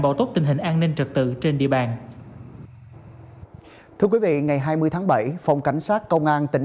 bảo tốt tình hình an ninh trật tự trên địa bàn thưa quý vị ngày hai mươi tháng bảy phòng cảnh sát công an tỉnh